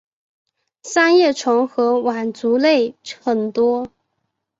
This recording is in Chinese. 三叶虫和腕足类很多。